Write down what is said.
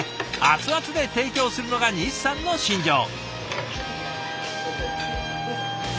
熱々で提供するのが西さんの信条。